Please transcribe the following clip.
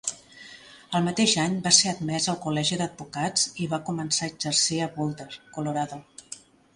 El mateix any va ser admès al col·legi d'advocats i va començar a exercir a Boulder, Colorado.